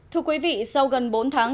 thưa quý vị sau gần bốn tháng thành công